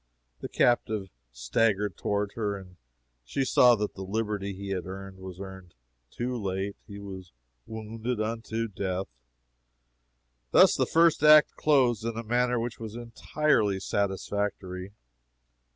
The captive staggered toward her and she saw that the liberty he had earned was earned too late. He was wounded unto death. Thus the first act closed in a manner which was entirely satisfactory.